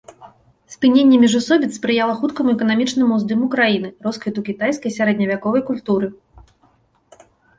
Спыненне міжусобіц спрыяла хуткаму эканамічнаму ўздыму краіны, росквіту кітайскай сярэдневяковай культуры.